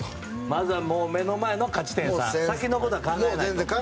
まずは目の前の勝ち点３で先のことは考えない。